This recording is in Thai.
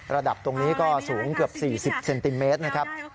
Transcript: ระดับตรงนี้ก็สูงเกือบ๔๐เซนติเมตรนะครับ